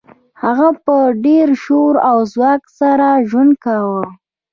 هغه په ډیر شور او ځواک سره ژوند کاوه